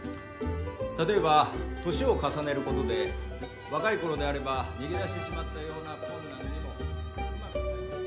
例えば年を重ねることで若いころであれば逃げだしてしまったような困難にもうまく。